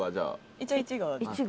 一応１号。